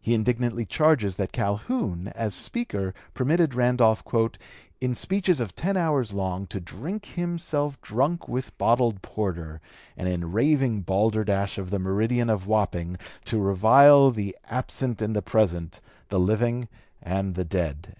He indignantly charges that Calhoun, as Speaker, permitted Randolph "in speeches of ten hours long to drink himself drunk with bottled porter, and in raving balderdash of the meridian of Wapping to revile the absent and the present, the living and the dead."